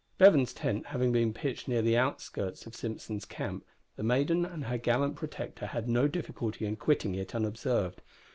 Bevan's tent having been pitched near the outskirts of Simpson's Camp, the maiden and her gallant protector had no difficulty in quitting it unobserved.